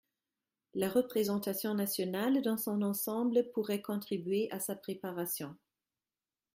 La représentation nationale dans son ensemble pourrait contribuer à sa préparation.